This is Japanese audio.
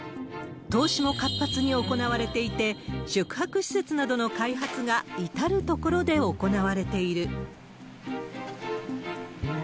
投資も活発に行われていて、宿泊施設などの開発が至る所で行われている。